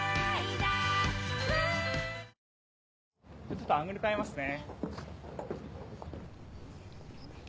ちょっとアングル変えますね。